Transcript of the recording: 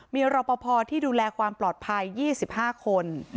มีรอปภที่ดูแลความปลอดภัย๒๕คน